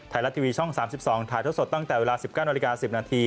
ไทยรัตทีวีช่อง๓๒ถ่ายทดสอบตั้งแต่เวลา๑๙น๑๐น